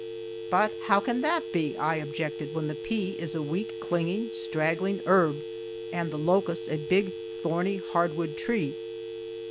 "But how can that be," I objected, "when the pea is a weak, clinging, straggling herb, and the locust a big, thorny hardwood tree?"